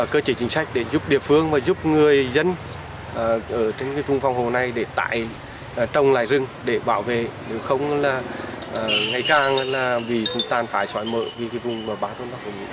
cơ chế chính sách để giúp địa phương và giúp người dân ở trong vùng phòng hộ này để tại trong lại rừng để bảo vệ nếu không là ngày càng là vì chúng ta phải xoáy mỡ vì vùng bờ bá rừng